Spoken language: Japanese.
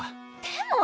でも。